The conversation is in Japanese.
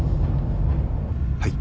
はい。